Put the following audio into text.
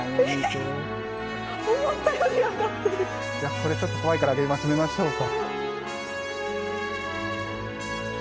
これちょっと怖いから、止めましょうか。